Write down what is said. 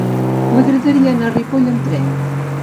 M'agradaria anar a Ripoll amb tren.